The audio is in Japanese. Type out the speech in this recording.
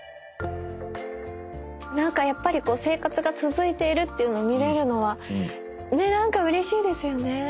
何かやっぱり生活が続いているっていうのを見れるのは何かうれしいですよね。